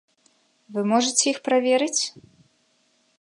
Вы можаце іх праверыць?